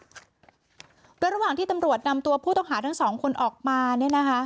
โดยระหว่างที่ตำรวจนำตัวผู้ต้องหาทั้งสองคนออกมาเนี่ยนะคะ